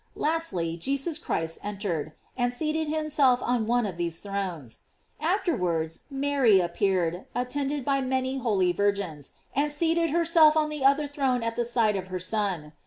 Lastly, Jesus Christ entered, and seated himself on one of these thrones. Afterwards Mary appeared, attended by many holy virgins, and seated her self on the other throne at the side of her Son.